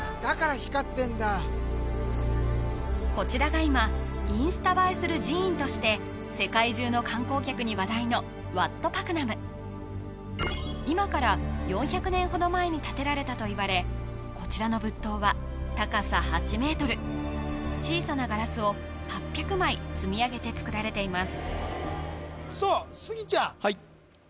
光ってんだこちらが今インスタ映えする寺院として今から４００年ほど前に建てられたといわれこちらの仏塔は高さ８ｍ小さなガラスを８００枚積み上げてつくられていますさあ